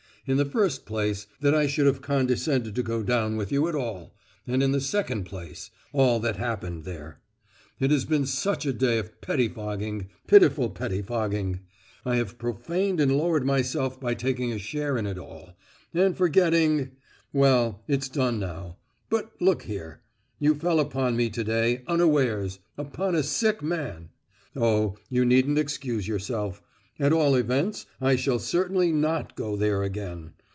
In the first place, that I should have condescended to go down with you at all, and in the second place, all that happened there. It has been such a day of pettifogging—pitiful pettifogging. I have profaned and lowered myself by taking a share in it all, and forgetting——Well, it's done now. But look here—you fell upon me to day, unawares—upon a sick man. Oh, you needn't excuse yourself; at all events I shall certainly not go there again.